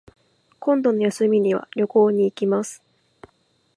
今度の休みには旅行に行きます